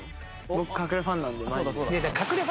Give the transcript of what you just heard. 僕隠れファンなんで。